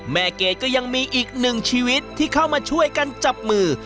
เกรดก็ยังมีอีกหนึ่งชีวิตที่เข้ามาช่วยกันจับมือ